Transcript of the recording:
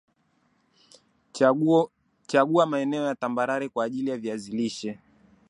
chagua maeneo ya tambarare kwa ajili ya viazi lishe